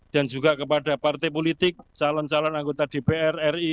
dan juga kepada partai politik calon calon anggota dpr